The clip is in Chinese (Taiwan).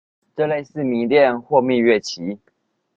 這類似迷戀或蜜月期